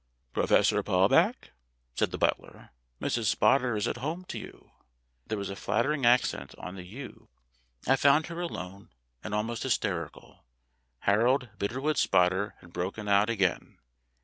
"Professor Palbeck?" said the but ler. "Mrs. Spotter is at home to you." There was a flattering accent on the "you." I found her alone and almost hysterical. Harold Bitterwood Spotter had broken out again.